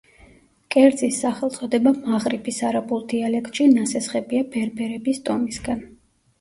კერძის სახელწოდება მაღრიბის არაბულ დიალექტში ნასესხებია ბერბერების ტომისგან.